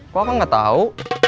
kok kang gak tau